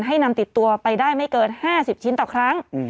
ให้นำติดตัวไปได้ไม่เกิน๕๐ชิ้นต่อครั้ง